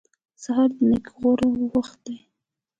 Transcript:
سهار د نېکۍ غوره وخت دی.